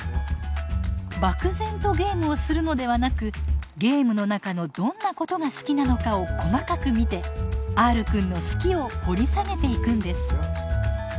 漠然とゲームをするのではなくゲームの中のどんなことが好きなのかを細かく見てＲくんの「好き」を掘り下げていくんです。